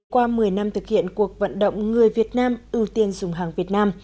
qua một mươi năm thực hiện cuộc vận động người việt nam ưu tiên dùng hàng việt nam